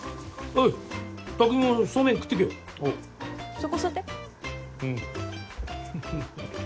そこ座って。